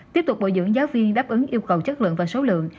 tiếp tục bồi dưỡng giáo viên đáp ứng yêu cầu chất lượng và số lượng